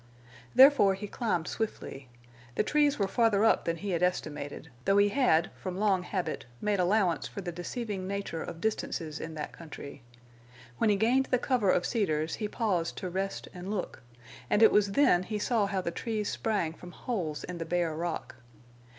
Therefore he climbed swiftly. The trees were farther up than he had estimated, though he had from long habit made allowance for the deceiving nature of distances in that country. When he gained the cover of cedars he paused to rest and look, and it was then he saw how the trees sprang from holes in the bare rock.